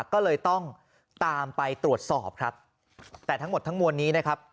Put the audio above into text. ก็เลยต้องตามไปตรวจสอบครับแต่ทั้งหมดทั้งมวลนี้นะครับ